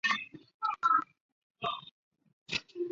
同年经中国国际广播出版社雇为顾问。